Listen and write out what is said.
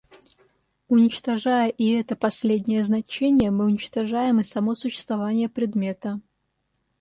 Уничтожая и это последнее значение, мы уничтожаем и само существование предмета.